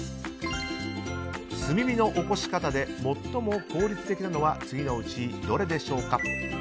炭火のおこし方で最も効率的なのは次のうちどれでしょうか。